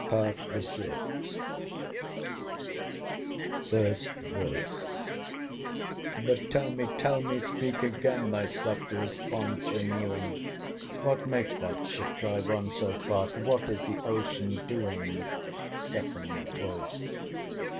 PART THE SIXTH. FIRST VOICE. But tell me, tell me! speak again, Thy soft response renewing What makes that ship drive on so fast? What is the OCEAN doing? SECOND VOICE.